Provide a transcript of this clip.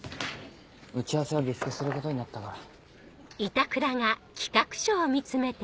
打ち合わせはリスケすることになったから。